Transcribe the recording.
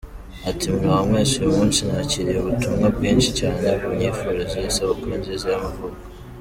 Ati: “Muraho mwese, uyu munsi nakiriye ubutumwa bwinshi cyane bunyifuriza isabukuru nziza y’amavuko.